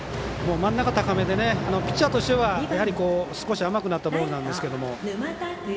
真ん中高めでピッチャーとしては少し甘くなったボールなんですけど。